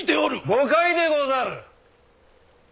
誤解でござる！